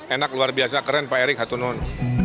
enak luar biasa keren pak erik hatunun